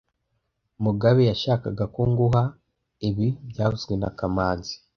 Mugabe yashakaga ko nguha ibi byavuzwe na kamanzi